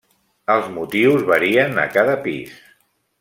Els motius varien a cada pis.